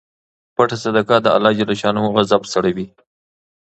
پټه صدقه د اللهﷻ غضب سړوي.